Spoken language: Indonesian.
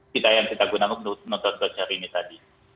kita yang kita gunakan untuk menonton konser ini tadi